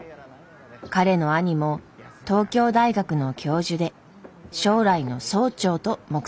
彼の兄も東京大学の教授で将来の総長と目されていました。